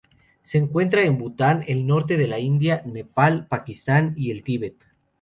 Se encuentra en Bután, el norte de la India, Nepal, Pakistán y el Tíbet.